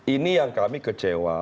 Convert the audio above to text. ini yang kami kecewa